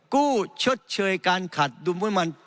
กู้ชดเชยการขัดดูมือมัน